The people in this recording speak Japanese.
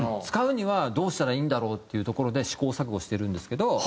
使うにはどうしたらいいんだろうっていうところで試行錯誤してるんですけど。